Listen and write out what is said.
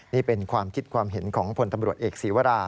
นี่เป็นความคิดความเห็นของพลตำรวจเอกศีวรา